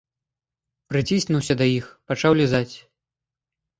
Прыціснуўся да іх, пачаў лізаць.